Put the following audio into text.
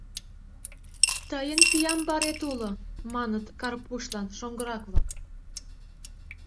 Тыйын пиямбарет уло, — маныт Карпушлан шоҥгырак-влак.